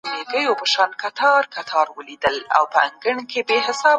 هغه ښځه چې پوهه ولري، د خپل کور تر څنګ ټولنه هم رڼا کوي.